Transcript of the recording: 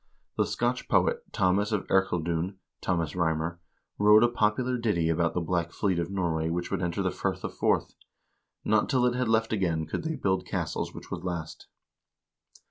The Scotch poet, Thomas of Erceldoune (Thomas Rymer), wrote a popular ditty about the black fleet of Norway which would enter the Firth of Forth. Not till it had left again could they build castles which would last.